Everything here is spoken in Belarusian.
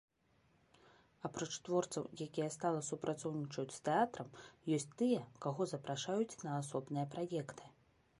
Апроч творцаў, якія стала супрацоўнічаюць з тэатрам ёсць тыя, каго запрашаюць на асобныя праекты.